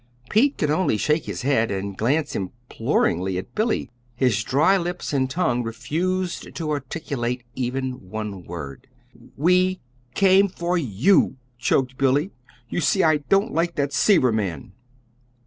Pete could only shake his head and glance imploringly at Billy. His dry lips and tongue refused to articulate even one word. "We came for you," choked Billy. "You see, I don't like that Seaver man."